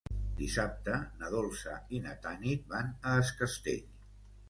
Dissabte na Dolça i na Tanit van a Es Castell.